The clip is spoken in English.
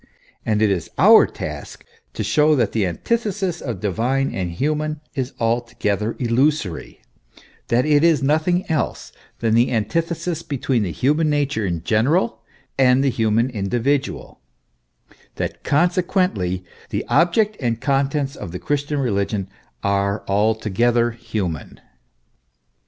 And it is our task to show that the antithesis of divine and human is altogether illusory, that it is nothing else than the antithesis between the human nature in general, and the human individual: that, consequently, the object and contents of the Christian religion are altogether human.